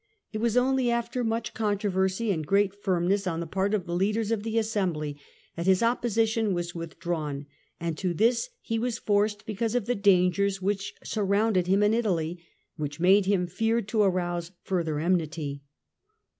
It was only after much controversy and great firmness on the part of the leaders of the Assembly that his opposition was withdrawn, and to this he was forced because of the dangers which surrounded him in Italy, which made him fear to arouse further enmity.